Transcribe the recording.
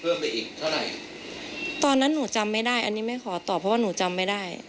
ไปอีกเท่าไหร่ตอนนั้นหนูจำไม่ได้อันนี้ไม่ขอตอบเพราะว่าหนูจำไม่ได้